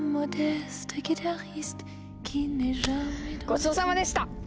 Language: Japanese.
ごちそうさまでした！